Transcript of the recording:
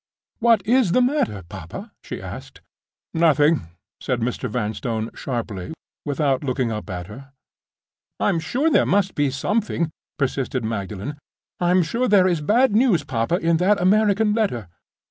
"What is the matter, papa?" she asked. "Nothing," said Mr. Vanstone, sharply, without looking up at her. "I'm sure there must be something," persisted Magdalen. "I'm sure there is bad news, papa, in that American letter."